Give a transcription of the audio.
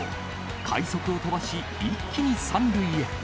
快足を飛ばし、一気に３塁へ。